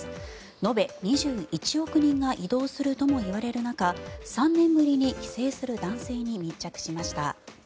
延べ２１億人が移動するともいわれる中３年ぶりに帰省する男性に密着しました。